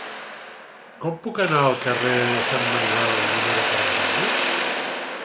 Com puc anar al carrer de Sant Manuel número quaranta-nou?